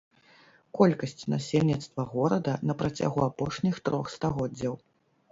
Колькасць насельніцтва горада на працягу апошніх трох стагоддзяў.